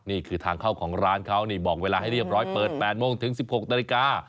นี่คือทางเข้าของร้านเขานี่บอกเวลาให้เรียบร้อยเปิด๘โมงถึง๑๖นาฬิกา